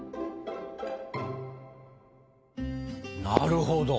なるほど。